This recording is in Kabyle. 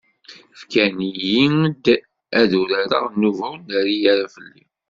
Fkan-iyi-d ad d-urareɣ nnuba ur nerri ara fell-i.